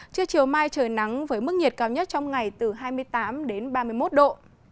trưa chiều mai trời nắng với mức nhiệt cao nhất trong ngày từ hai mươi tám đến ba mươi một độ